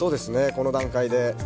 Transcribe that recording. この段階で。